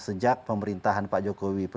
nah sejak pemerintahan pak joko widodo